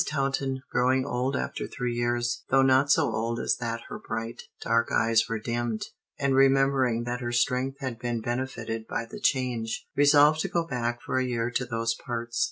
Taunton, growing old after three years though not so old as that her bright, dark eyes were dimmed and remembering that her strength had been benefited by the change, resolved to go back for a year to those parts.